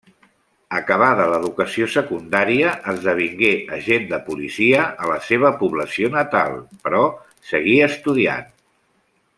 Acabada l'educació secundària esdevingué agent de policia a la seva població natal, però seguí estudiant.